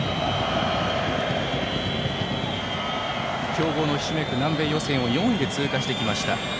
強豪のひしめく南米予選を４位で通過してきました。